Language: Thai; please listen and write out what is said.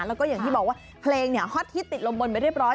แล้วก็อย่างที่บอกว่าเพลงฮอตฮิตติดลมบนไปเรียบร้อย